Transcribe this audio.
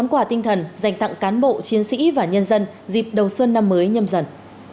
bốn quả tinh thần dành tặng cán bộ chiến sĩ và nhân dân dịp đầu xuân năm mới nhâm dần